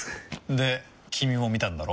で君も見たんだろ？